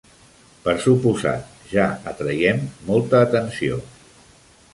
Per suposat, ja atraiem molta atenció.